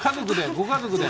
ご家族で？